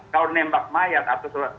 kalau nembak mayat atau